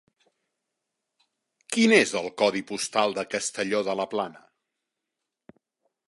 Quin és el codi postal de Castelló de la Plana?